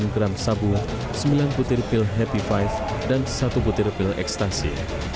delapan puluh delapan gram sabu sembilan putir pil happy five dan satu putir pil ekstasi